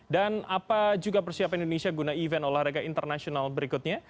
dan apa juga persiapan indonesia guna event olahraga internasional berikutnya